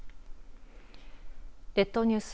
列島ニュース